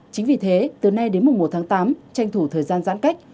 chính vì thế từ nay đến mùng một tháng tám tranh thủ thời gian giãn cách